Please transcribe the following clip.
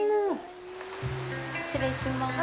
失礼します。